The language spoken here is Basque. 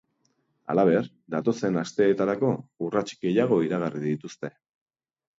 Halaber, datozen asteetarako urrats gehiago iragarri dituzte.